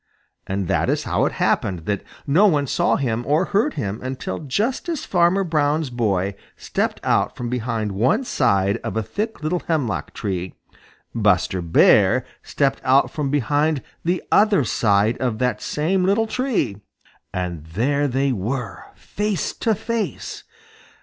And that is how it happened that no one saw him or heard him until just as Farmer Brown's boy stepped out from behind one side of a thick little hemlock tree, Buster Bear stepped out from behind the other side of that same little tree, and there they were face to face!